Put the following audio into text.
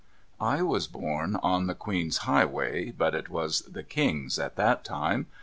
I was born on the Queen's highway, but it was the King's at that time.